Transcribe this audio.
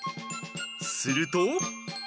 すると？